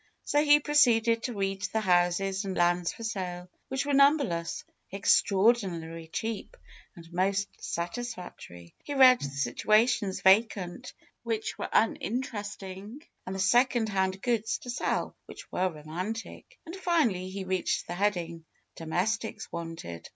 So he proceeded to read the houses and lands for sale, which were numberless, extraordinarily cheap, and most satisfactory. He read the situations vacant, which were uninteresting, and the second hand goods to sell, v/hich were romantic. And finally he reached the heading, ^^Domestics Wanted."